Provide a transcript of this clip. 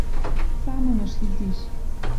Самыньыш изиш.